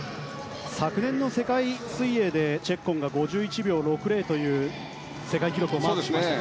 昨年の世界水泳でチェッコンが５１秒６０という世界記録をマークしました。